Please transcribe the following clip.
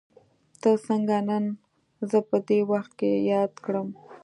تا څنګه نن زه په دې وخت کې ياد کړم.